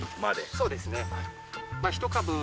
そうですね。